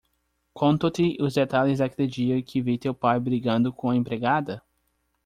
conto-te os detalhes daquele dia que vi teu pai brigando com a empregada?